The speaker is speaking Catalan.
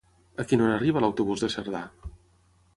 A quina hora arriba l'autobús de Cerdà?